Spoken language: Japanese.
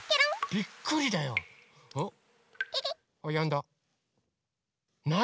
びっくりだよ。